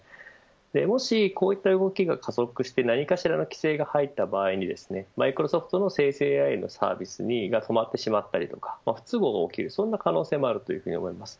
もし、こういった動きが加速して何かしらの規制が入った場合にマイクロソフトの生成ＡＩのサービスが止まってしまったり不都合が起きるそんな可能性もあると思います。